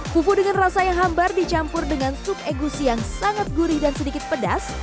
fufu dengan rasa yang hambar dicampur dengan sup egusi yang sangat gurih dan sedikit pedas